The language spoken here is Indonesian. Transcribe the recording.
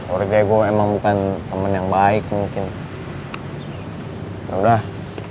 orge gue emang temen yang baik mungkin udah